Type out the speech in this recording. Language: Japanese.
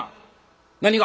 「何が？」。